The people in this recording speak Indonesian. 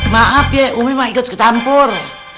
maaf ya umi mah ikut ketampur